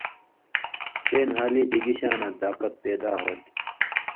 تے نھالی چے گی شاناں طاقت پیدا ہوتھی۔